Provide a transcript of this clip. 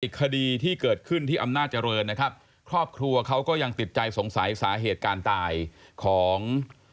อีกคดีที่เกิดขึ้นที่อำนาจรณ์ครอบครัวเขาก็ยังติดใจสงสัยสาเหตุการณ์ตายของ